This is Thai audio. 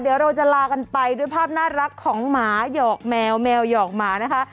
เดี๋ยวเราจะลากันไปด้วยภาพน่ารักของหมาหยอกแมวแมวหยอกหมานะคะ